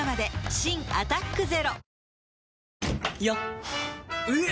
新「アタックＺＥＲＯ」よっ！